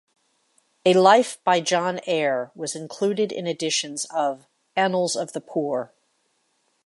A life by John Ayre was included in editions of "Annals of the Poor".